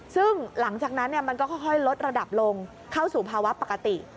ซึ่งหลังจากนั้นมันก็ค่อยลดระดับลงเข้าสู่ภาวะปกติ